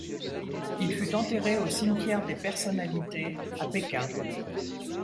Il fut enterré au cimetière des personnalités à Pékin.